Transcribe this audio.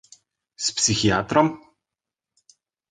S psihiatrom?